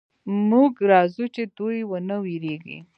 موږ راځو چې دوئ ونه وېرېږي.